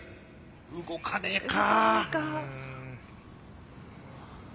動かねえか。